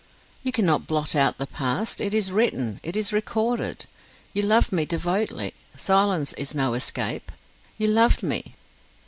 "You cannot blot out the past: it is written, it is recorded. You loved me devotedly, silence is no escape. You loved me."